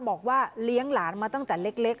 บอกว่าเลี้ยงหลานมาตั้งแต่เล็ก